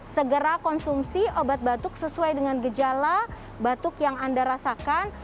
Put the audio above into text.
segera konsumsi obat batuk sesuai dengan gejala batuk yang anda rasakan